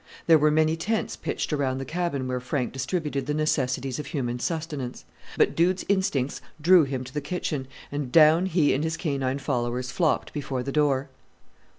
There were many tents pitched around the cabin where Frank distributed the necessities of human sustenance; but Dude's instincts drew him to the kitchen, and down he and his canine followers flopped before the door.